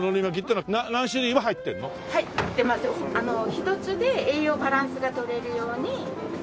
一つで栄養バランスが取れるように色々。